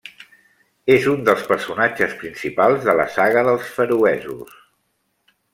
És un dels personatges principals de la Saga dels feroesos.